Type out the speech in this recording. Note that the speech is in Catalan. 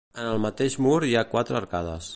En el mateix mur hi ha quatre arcades.